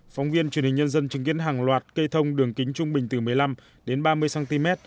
phóng viên truyền hình nhân dân chứng kiến hàng loạt cây thông đường kính trung bình từ một mươi năm đến ba mươi cm